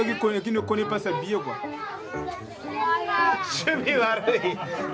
趣味悪い？